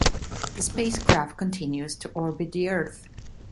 The spacecraft continues to orbit the Earth.